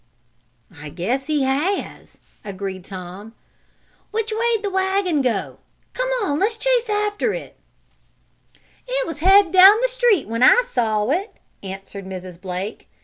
"I guess he has!" agreed Tom. "Which way did the wagon go? Come on, let's chase after it!" cried Chot. "It was headed down the street when I saw it," answered Mrs. Blake.